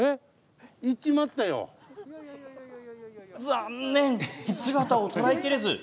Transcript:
残念、姿を捉えきれず。